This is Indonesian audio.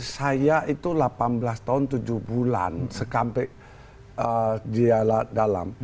saya itu delapan belas tahun tujuh bulan sekampe dia dalam